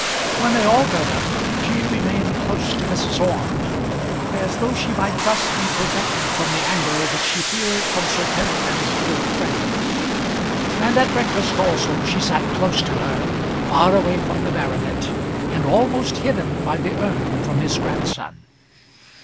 When they all got up she remained close to Mrs. Orme, as though she might thus be protected from the anger which she feared from Sir Peregrine's other friends. And at breakfast also she sat close to her, far away from the baronet, and almost hidden by the urn from his grandson.